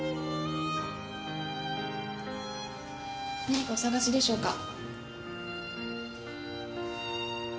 何かお探しでしょうか？